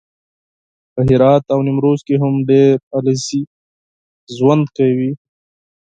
په هرات او نیمروز کې هم ډېر علیزي ژوند کوي